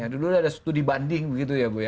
dulu ada studi banding gitu ya bu